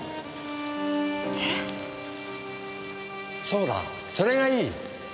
そうだそれがいい。